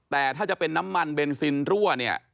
แต่ถ้าจะเป็นน้ำมันเบนซินรั่วเนี่ย